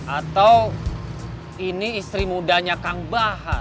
atau ini istri mudanya kang bahar